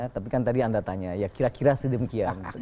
tapi kan tadi anda tanya ya kira kira sedemikian